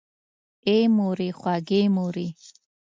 آی مورې خوږې مورې!